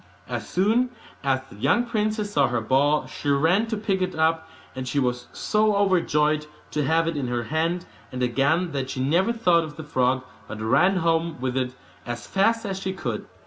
As soon as the young princess saw her ball, she ran to pick it up; and she was so overjoyed to have it in her hand again, that she never thought of the frog, but ran home with it as fast as she could.